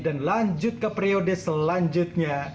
dan lanjut ke periode selanjutnya